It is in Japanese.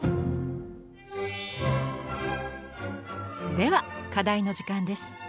では課題の時間です。